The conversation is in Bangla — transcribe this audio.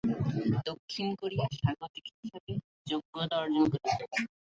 দক্ষিণ কোরিয়া স্বাগতিক হিসাবে যোগ্যতা অর্জন করেছে।